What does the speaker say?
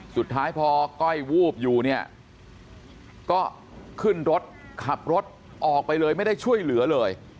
สุดท้ายพอก้อยวูบอยู่เนี่ยก็ขึ้นรถขับรถออกไปเลยไม่ได้ช่วยเหลือเลย